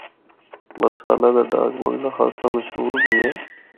برسالہ دا ڈاک بنگلہ خاصا مشہور بھی اے۔